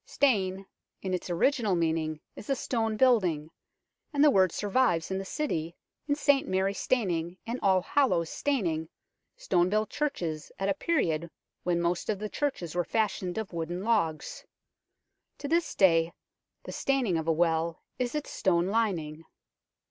134 UNKNOWN LONDON " Stane " in its original meaning is a stone build ing, and the word survives in the City in St Mary Staining and Allhallows Staining, stone built churches at a period when most of the churches were fashioned of wooden logs. To this day the " steining " of a well is its stone lining.